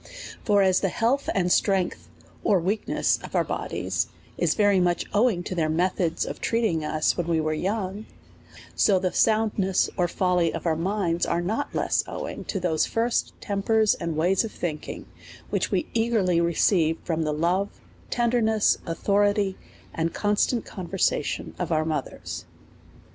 For as the health and strength, or weakness, of our bodies is very much owing to their methods of treating us when we were young; so the soundness or folly of our minds is not less owing to those first tempers and ways of thinking, which we eagerly re ceived from the love, tenderness, authority, and con stant conversation of our mothers.